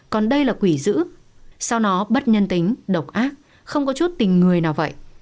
còn đây là quỷ dữ sau nó bất nhân tính độc ác không có chút tình người nào vậy